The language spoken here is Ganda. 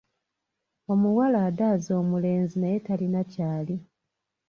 Omuwala adaaza omulenzi naye talina ky’ali.